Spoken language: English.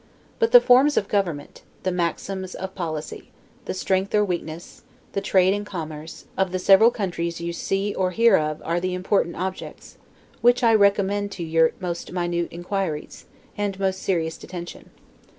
But the forms of government, the maxims of policy, the strength or weakness, the trade and commerce, of the several countries you see or hear of are the important objects, which I recommend to your most minute inquiries, and most serious attention.